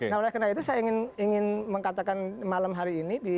nah oleh karena itu saya ingin mengatakan malam hari ini